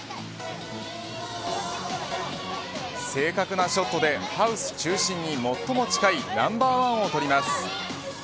正確なショットでハウス中心に最も近いナンバー１を取ります。